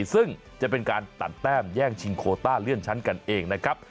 ซึ่งจะเป็นการตัดแต้มแย่งชิงโคต้าเลื่อนชั้นกันเองนะครับ